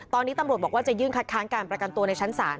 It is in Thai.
ตอนนี้ตำรวจบอกว่าจะยื่นคัดค้างการประกันตัวในชั้นศาล